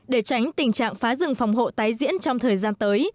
để tránh tình trạng phá rừng phòng hộ tái diễn trong thời gian tới